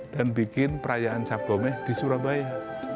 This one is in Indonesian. dan bikin perayaan sabgomeh di surabaya